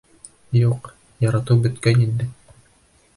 Юҡ, яратыу бөткән инде.